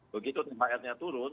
begitu thr nya turun